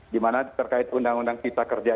di mana terkait undang undang cipta kerja